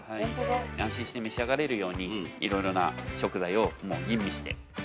◆安心して召し上がれるようにいろいろな食材を吟味して。